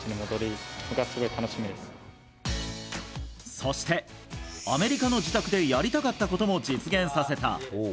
そして、アメリカの自宅でやりたかったことも実現させた。